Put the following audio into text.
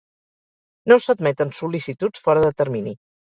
No s'admeten sol·licituds fora de termini.